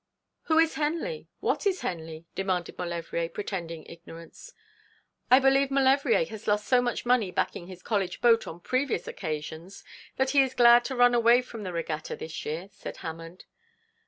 'Who is Henley? what is Henley?' demanded Maulevrier, pretending ignorance. 'I believe Maulevrier has lost so much money backing his college boat on previous occasions that he is glad to run away from the regatta this year,' said Hammond.